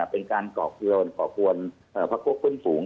เป็นการเกาะเคลวนเกาะกวนพระโครคขึ้นสูง